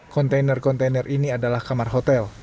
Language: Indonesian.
kontainer kontainer ini adalah kamar hotel